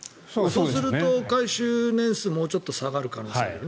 そうすると回収年数がもうちょっと下がるかもしれないと。